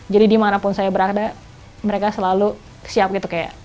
jadi dimanapun saya berada mereka selalu siap gitu kayak